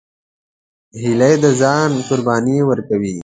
هیلۍ د ځان قرباني ورکوي